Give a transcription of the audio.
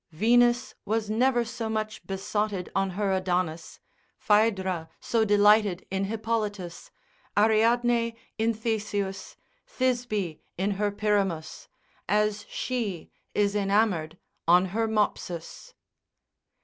Venus was never so much besotted on her Adonis, Phaedra so delighted in Hippolitus, Ariadne in Theseus, Thisbe in her Pyramus, as she is enamoured on her Mopsus.